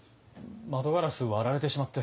窓ガラス割られてしまって。